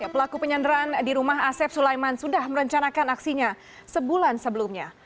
pelaku penyanderaan di rumah asep sulaiman sudah merencanakan aksinya sebulan sebelumnya